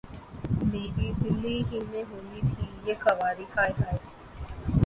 میری‘ دلی ہی میں ہونی تھی یہ خواری‘ ہائے ہائے!